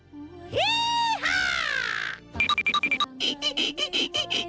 ฮีฮ่า